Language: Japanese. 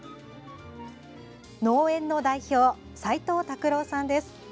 農園の代表、齊藤拓朗さんです。